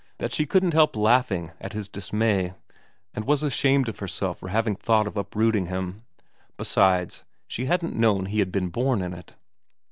' that she couldn't help laughing at his dismay, and was ashamed of herself for having thought of uprooting him. Besides, she hadn't known he had been born in it.